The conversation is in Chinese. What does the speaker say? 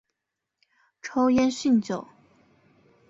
抽烟酗酒